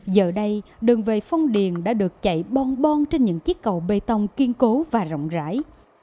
giờ đây đường về phong điền đã được chạy bom trên những chiếc cầu bê tông kiên cố và rộng rãi